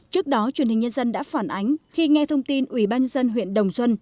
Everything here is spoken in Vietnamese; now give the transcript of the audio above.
trước đó truyền hình nhân dân đã phản ánh khi nghe thông tin ủy ban dân huyện đồng xuân